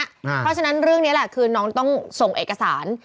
เพราะฉะนั้นเรื่องนี้แหละคือน้องต้องส่งเอกสาร